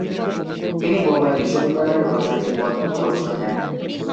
তিনি বোম্বাই বিশ্ববিদ্যালয়ের উপাচার্যের পদ থেকে অবসর নেন।